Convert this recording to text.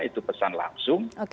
itu pesan langsung